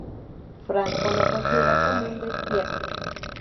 Franco lo consideró como un destierro.